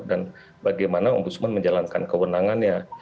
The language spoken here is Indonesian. dan bagaimana om busman menjalankan kewenangannya